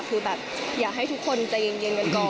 คือแบบอยากให้ทุกคนใจเย็นกันก่อน